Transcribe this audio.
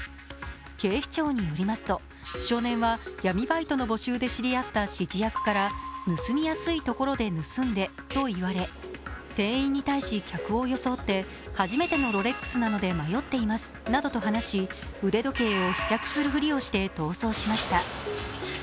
警視庁によりますと少年は闇バイトの募集で知り合った指示役から盗みやすいところで盗んでと言われ、店員に対し客を装って初めてのロレックスなので迷っていますなどと話し腕時計を試着するふりをして逃走しました。